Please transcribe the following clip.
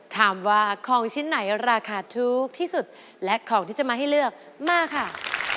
ถามว่าของชิ้นไหนราคาถูกที่สุดและของที่จะมาให้เลือกมาค่ะ